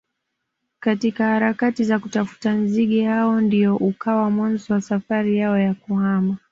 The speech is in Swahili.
katika harakati za kutafuta nzige hao ndio ukawa mwanzo wa safari yao ya kuhama